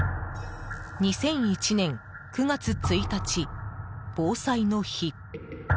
２００１年９月１日、防災の日。